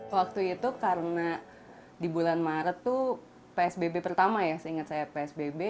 waktu itu karena di bulan maret itu psbb pertama ya seingat saya psbb